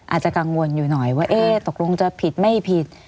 อาจจะกังวลอยู่หน่อยว่าเอ๊ะตกลงจะผิดไม่ผิด